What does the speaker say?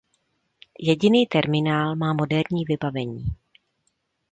Jediný terminál má moderní vybavení.